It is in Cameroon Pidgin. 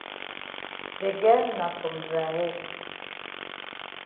De girl na some dry head.